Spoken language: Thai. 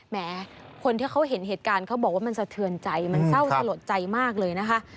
แม้คนที่เขาเห็นเหตุการณ์เขาบอกว่ามันสะเทือนใจมันเศร้าสลดใจมากเลยนะคะ